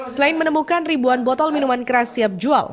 selain menemukan ribuan botol minuman keras siap jual